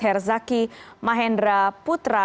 herzaki mahendra putra